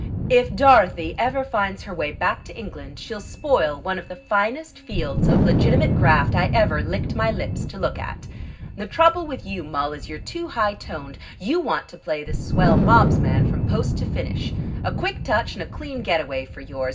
If Dorothy ever finds her way back to England she'll spoil one of the finest fields of legitimate graft I ever licked my lips to look at. The trouble with you, Mul, is you're too high toned. You want to play the swell mobs man from post to finish. A quick touch and a clean getaway for yours.